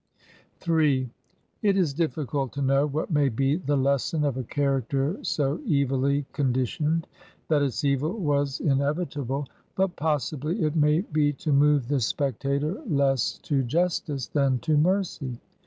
m It is difficult to know what may be the lesson of a character so evilly conditioned that its evil was inevi table, but possibly it may be to move the spectator less to " justice " than to mercy.